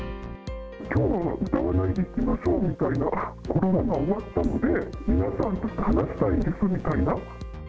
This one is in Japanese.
きょうは歌わないでいきましょうみたいな、コロナが終わったので、皆さんと話したいんですみたいな。